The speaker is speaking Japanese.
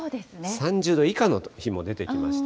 ３０度以下の日も出てきます。